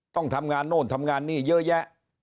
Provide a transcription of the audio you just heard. ต้องทำงานโน่นทำงานนี่เยอะแยะ